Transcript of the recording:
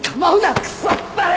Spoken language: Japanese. くそったれ！